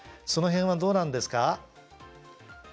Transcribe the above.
その辺はどうなんですか？